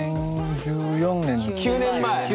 ９年前。